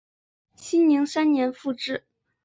熙宁三年复置。